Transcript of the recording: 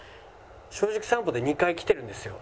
『正直さんぽ』で２回来てるんですよ。